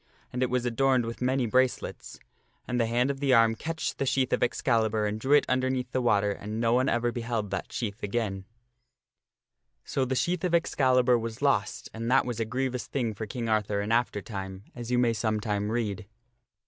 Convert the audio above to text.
And it was adorned with many bracelets. And the hand of the arm catched the sheath of Excalibur and drew it underneath the water and no one ever beheld that sheath again. VIVIEN LEAVES KING ARTHUR 201 So the sheath of Excalibur was lost, and that was a grievous thing for King Arthur in after time, as you may some time read.